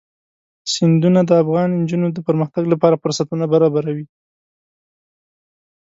سیندونه د افغان نجونو د پرمختګ لپاره فرصتونه برابروي.